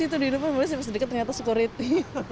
di situ di hidupnya malah sedikit sedikit ternyata sekuriti